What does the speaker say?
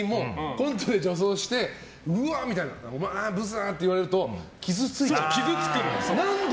コントで女装してうわー、お前ブスとか言われると傷ついちゃう、何で？